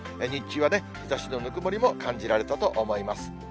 日中はね、日ざしのぬくもりも感じられたと思います。